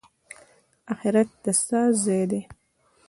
اخرت د څه ځای دی؟